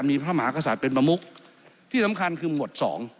มีพระมหากษัตริย์เป็นประมุกที่สำคัญคือหมวดสอง